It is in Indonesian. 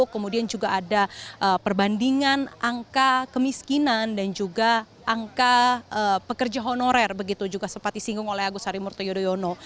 kemudian juga ada perbandingan angka kemiskinan dan juga angka pekerja honorer begitu juga sempat disinggung oleh agus harimurti yudhoyono